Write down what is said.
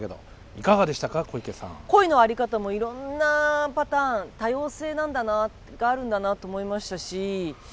恋の在り方もいろんなパターン多様性があるんだなと思いましたし。